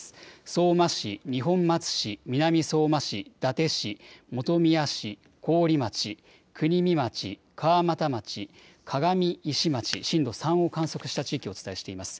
相馬市、二本松市、南相馬市、伊達市、本宮市桑折町、国見町、川俣町、鏡石町、震度３を観測した地域をお伝えしています。